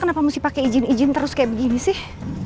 kenapa mesti pakai izin izin terus kayak begini sih